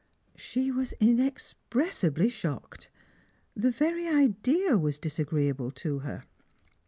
She was inexpressibly shocked. The very idea was disagi ee able to her.